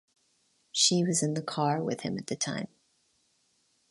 She was in the car with him at the time.